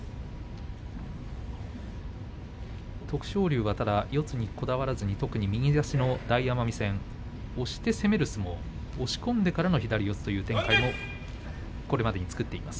徳勝龍は、ただ四つにこだわらずに特に右差しの大奄美戦押して攻める相撲押し込んでからの左四つという展開をこれまでに作っています。